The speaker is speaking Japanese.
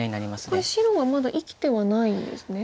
これ白はまだ生きてはないんですね。